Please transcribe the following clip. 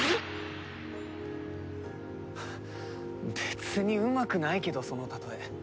別にうまくないけどその例え。